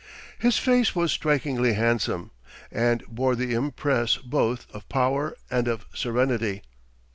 His face was strikingly handsome, and bore the impress both of power and of serenity.